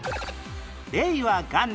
令和元年